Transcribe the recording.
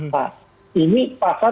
nah ini pasar